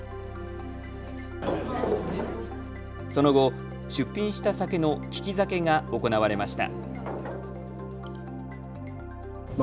その後、出品した酒の利き酒が行われました。